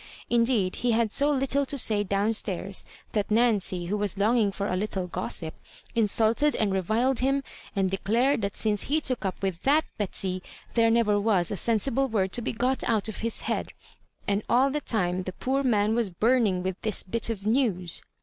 Indeed he had so Uttle to say down stairs, that Nancy, who was longing for a little gossip, insulted and reyiled him, and declared that since he took up with GuU Betsy there neyer was a sensible word to bo got out of his head. And all the time the poor man was burning with this bit of news.